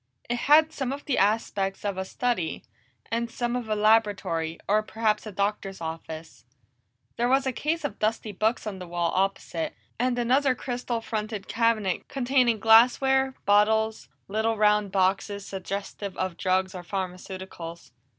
It had some of the aspects of a study, and some of a laboratory, or perhaps a doctor's office. There was a case of dusty books on the wall opposite, and another crystal fronted cabinet containing glassware, bottles, little round boxes suggestive of drugs or pharmaceuticals.